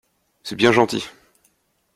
C’est bien gentil !